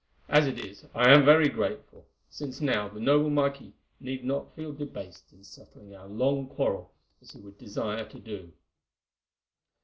As it is I am very grateful, since now the noble marquis need not feel debased in settling our long quarrel as he would desire to do."